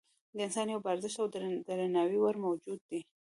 انسان یو با ارزښته او د درناوي وړ موجود دی.